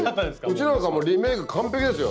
うちなんかリメイク完璧ですよ。